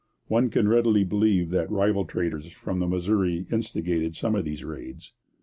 One can readily believe that rival traders from the Missouri instigated some of these raids.